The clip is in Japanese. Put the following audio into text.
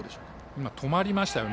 今、止まりましたよね